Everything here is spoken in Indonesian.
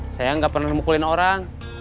saya gak pernah mukulin orang